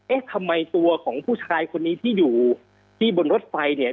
เอ๊ะทำไมตัวของผู้ชายคนนี้ที่อยู่ที่บนรถไฟเนี่ย